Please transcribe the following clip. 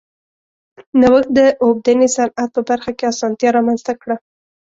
نوښت د اوبدنې صنعت په برخه کې اسانتیا رامنځته کړه.